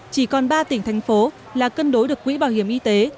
chỉ còn ba tỉnh thành phố là cân đối được quỹ bảo hiểm y tế